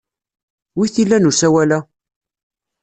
Wi t-ilan usawal-a?